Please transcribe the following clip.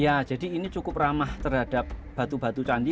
ya jadi ini cukup ramah terhadap batu batu candi